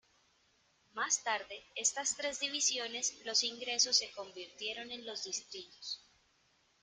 Más tarde, estas tres divisiones los ingresos se convirtieron en los distritos.